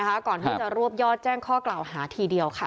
ก่อนที่จะรวบยอดแจ้งข้อกล่าวหาทีเดียวค่ะ